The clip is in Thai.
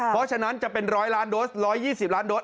เพราะฉะนั้นจะเป็น๑๐๐ล้านโดส๑๒๐ล้านโดส